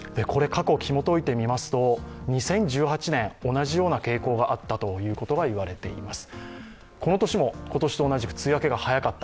過去、ひもといてみますと２０１８年同じような傾向があったといわれています。